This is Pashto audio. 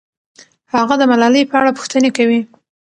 هغه د ملالۍ په اړه پوښتنې کوي.